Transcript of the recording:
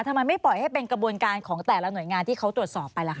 ทำไมไม่ปล่อยให้เป็นกระบวนการของแต่ละหน่วยงานที่เขาตรวจสอบไปล่ะคะ